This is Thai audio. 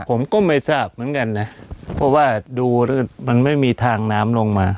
ผมก็ไม่ทราบเหมือนกันนะเพราะว่าดูแล้วมันไม่มีทางน้ำลงมา